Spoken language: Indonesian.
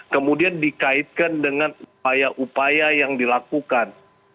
kemudian dikaitkan dengan upaya upaya yang dilakukan